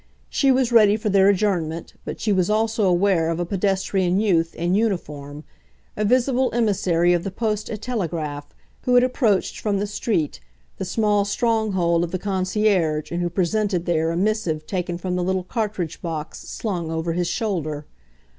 She was ready for their adjournment, but she was also aware of a pedestrian youth, in uniform, a visible emissary of the Postes et Telegraphes, who had approached, from the street, the small stronghold of the concierge and who presented there a missive taken from the little cartridge box slung over his shoulder.